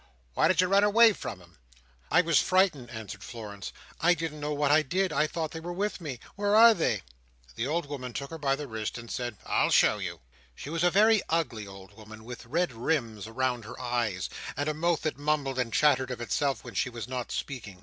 "Why did you run away from 'em?" "I was frightened," answered Florence. "I didn't know what I did. I thought they were with me. Where are they?" The old woman took her by the wrist, and said, "I'll show you." She was a very ugly old woman, with red rims round her eyes, and a mouth that mumbled and chattered of itself when she was not speaking.